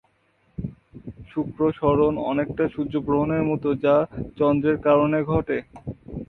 শুক্র সরণ অনেকটা সূর্য গ্রহণের মত যা চন্দ্রের কারণে ঘটে।